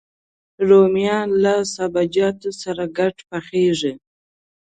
رومیان له سابهجاتو سره ګډ پخېږي